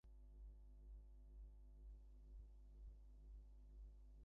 This festival draws pottery connoisseurs from all over the country.